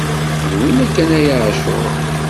D winna kan a ɛacur!